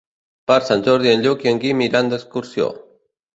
Per Sant Jordi en Lluc i en Guim iran d'excursió.